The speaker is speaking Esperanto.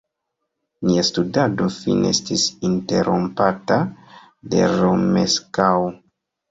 Nia studado fine estis interrompata de Romeskaŭ.